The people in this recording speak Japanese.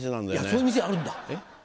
そういう店あるんだ！